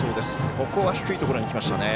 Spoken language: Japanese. ここは低いところに来ましたね。